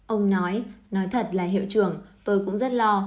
ông nói nói thật là hiệu trưởng tôi cũng rất lo